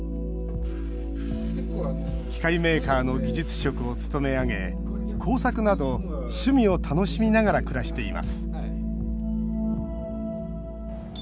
機械メーカーの技術職を勤め上げ工作など趣味を楽しみながら暮らしています。